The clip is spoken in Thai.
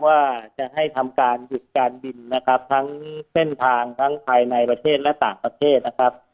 ว่าจะให้ทำการหยุดการบินนะครับทั้งเส้นทางทั้งภายในประเทศและต่างประเทศนะครับ